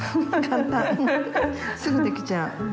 すぐ出来ちゃう。